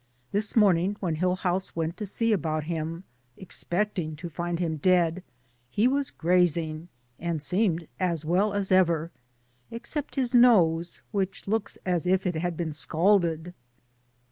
This morning when Hill house went to see about him, expecting to find him dead, he was grazing, and seemed as well as ever, except his nose, which looks as if it had been scalded.